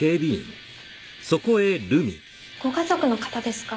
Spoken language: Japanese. ご家族の方ですか？